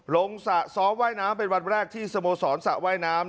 สระซ้อมว่ายน้ำเป็นวันแรกที่สโมสรสระว่ายน้ำ